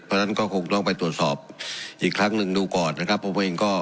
เพราะฉะนั้นก็คงต้องไปตรวจสอบอีกครั้งหนึ่งดูก่อนนะครับผมเองก็